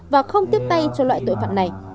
và không tiếp tay cho loại tội phạm này